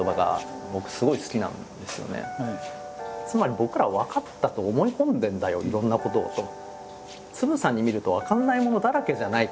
つまり僕らは分かったと思い込んでるんだよいろんなことをと。